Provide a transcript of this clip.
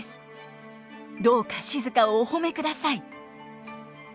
どうか静をお褒めください」。